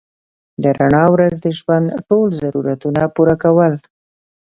په رڼا ورځ د ژوند ټول ضرورتونه پوره کول